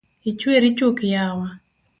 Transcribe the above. Ichweri chuk yawa?